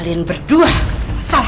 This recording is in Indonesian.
dia belum selesai